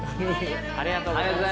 ありがとうございます。